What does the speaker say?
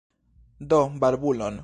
Do barbulon!